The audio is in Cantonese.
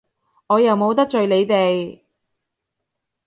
我又冇得罪你哋！